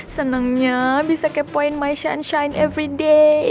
senengnya bisa kepoin my sunshine everyday